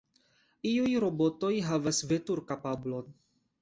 Iuj robotoj havas veturkapablon.